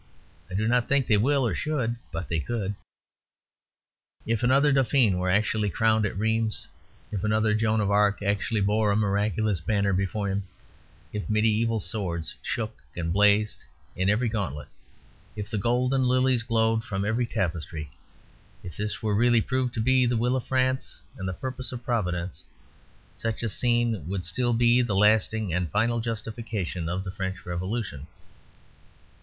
I do not think they will or should, but they could. If another Dauphin were actually crowned at Rheims; if another Joan of Arc actually bore a miraculous banner before him; if mediæval swords shook and blazed in every gauntlet; if the golden lilies glowed from every tapestry; if this were really proved to be the will of France and the purpose of Providence such a scene would still be the lasting and final justification of the French Revolution.